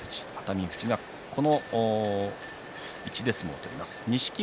富士がこの位置で相撲を取ります。